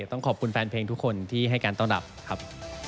ต้องขอบคุณแฟนเพลงทุกคนที่ให้การต้อนรับครับ